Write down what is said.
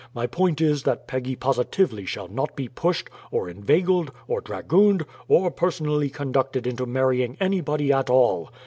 My point is that Peggy positively shall not be pushed, or inveigled, or dragooned, or personally conducted into marrying anybody at all!